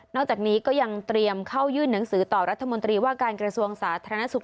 จากนี้ก็ยังเตรียมเข้ายื่นหนังสือต่อรัฐมนตรีว่าการกระทรวงสาธารณสุข